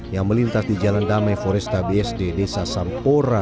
yang melintas di jalan damai forestabies dede sasampora